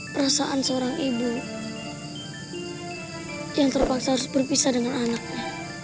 perasaan seorang ibu yang terpaksa harus berpisah dengan anaknya